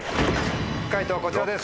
解答こちらです。